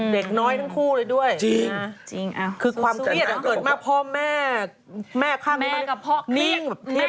เด็กน้อยทั้งคู่เลยด้วยจริงคือความเครียดเกิดมาพ่อแม่แม่ข้างบ้านกับพ่อนิ่ง